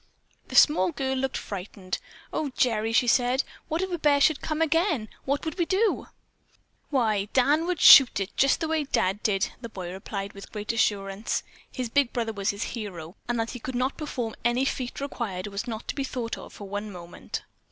The small girl looked frightened. "Oh, Gerry," she said, "what if a bear should come again? What would we do?" "Why, Dan would shoot it, just the way Dad did," the boy replied with great assurance. His big brother was his hero, and that he could not perform any feat required was not to be thought of for one moment.